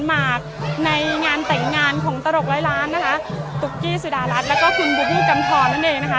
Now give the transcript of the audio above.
หมากในงานแต่งงานของตลกร้อยล้านนะคะตุ๊กกี้สุดารัฐแล้วก็คุณบูบูกำทรนั่นเองนะคะ